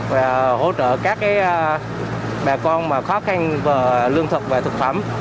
và hỗ trợ các bà con khó khăn về lương thực và thực phẩm